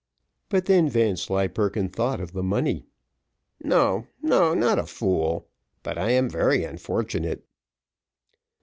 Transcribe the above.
but then Vanslyperken thought of the money. "No, no, not a fool, but I am very unfortunate."